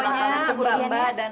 pokoknya sebutan mbak dan